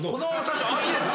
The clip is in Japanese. いいですね。